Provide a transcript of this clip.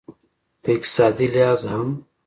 په اقتصادي لحاظ هم